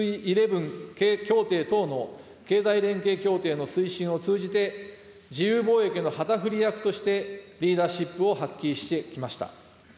１１協定等の経済連携協定の推進を通じて、自由貿易の旗振り役として、リーダーシップを発揮してきました。